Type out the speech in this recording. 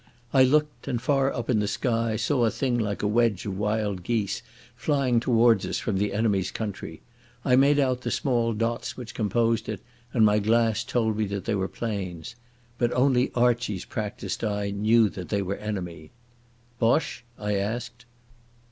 I looked, and far up in the sky saw a thing like a wedge of wild geese flying towards us from the enemy's country. I made out the small dots which composed it, and my glass told me they were planes. But only Archie's practised eye knew that they were enemy. "Boche?" I asked.